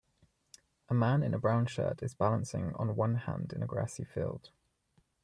A man in a brown shirt is balancing on one hand in a grassy field.